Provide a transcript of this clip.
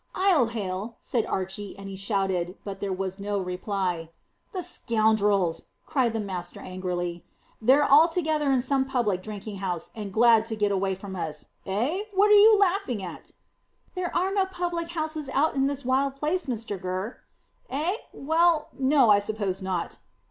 "I'll hail," said Archy; and he shouted, but there was no reply. "The scoundrels!" cried the master angrily. "They're all together in some public house drinking, and glad to get away from us. Eh? What are you laughing at?" "There are no public houses out in this wild place, Mr Gurr." "Eh? Well, no, I suppose not.